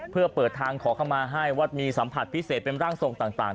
เพื่อเปิดทางขอเข้ามาให้วัดมีสัมผัสพิเศษเป็นร่างทรงต่าง